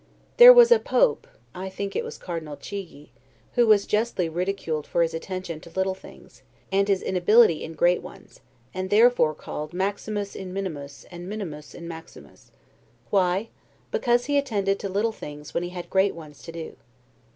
There was a pope, I think it was Cardinal Chigi, who was justly ridiculed for his attention to little things, and his inability in great ones: and therefore called maximus in minimis, and minimus in maximis. Why? Because he attended to little things when he had great ones to do.